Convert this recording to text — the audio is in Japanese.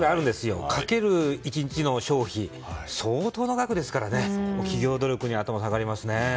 それかける１日の消費は相当な額ですから企業努力に頭が下がりますね。